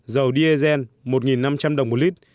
dầu diesel một năm trăm linh đồng một lit